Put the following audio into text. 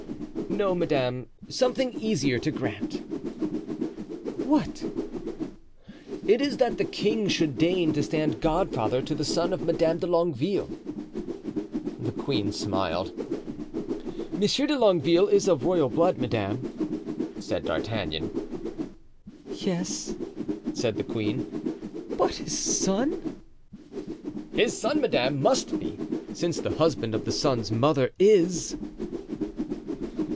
"No, madame, something easier to grant." "What?" "It is that the king should deign to stand godfather to the son of Madame de Longueville." The queen smiled. "Monsieur de Longueville is of royal blood, madame," said D'Artagnan. "Yes," said the queen; "but his son?" "His son, madame, must be, since the husband of the son's mother is."